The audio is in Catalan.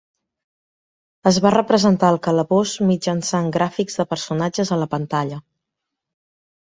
Es va representar el calabós mitjançant gràfics de personatges a la pantalla.